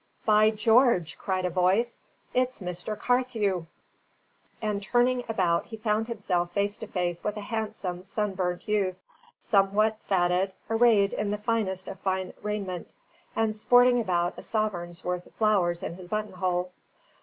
"By George!" cried a voice, "it's Mr. Carthew!" And turning about he found himself face to face with a handsome sunburnt youth, somewhat fatted, arrayed in the finest of fine raiment, and sporting about a sovereign's worth of flowers in his buttonhole.